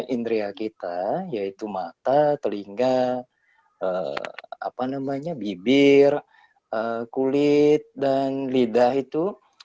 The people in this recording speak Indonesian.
indria kita yaitu mata telinga bibir kulit dan lidah itu